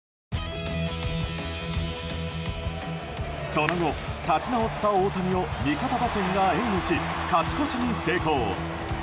その後、立ち直った大谷を味方打線が援護し勝ち越しに成功。